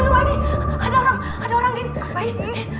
ada orang ada orang di rumah ini